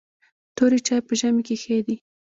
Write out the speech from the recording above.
توري چای په ژمي کې ښه دي .